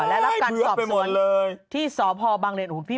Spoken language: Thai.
และรับการสอบส่วนที่สอบพ่อบังเร็ดหุ่นพี่